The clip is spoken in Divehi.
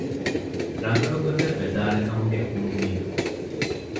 ރަނގަޅު ގޮތެއް ވެދާނެ ކަމުގެ އުންމީދު